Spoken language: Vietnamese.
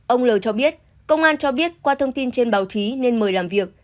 ông l cho biết công an cho biết qua thông tin trên báo chí nên mời làm việc